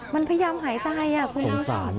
มันพยายามหายใจคงสาร